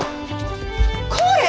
これ！